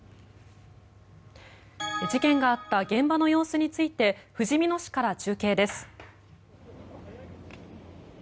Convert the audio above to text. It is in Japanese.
事件があった現場の様子についてふじみ野市から中継です。